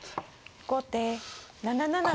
後手７七と金。